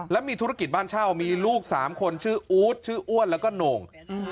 และมีธุรกิจบ้านเช่ามีลูก๓คนชื่ออู๊ดชื่ออ้วนแล้วก็โหน่ง